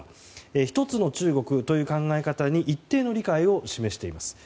１つの中国という考え方に一定の理解を示しています。